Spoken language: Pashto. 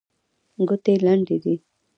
ګوتې لنډې دي.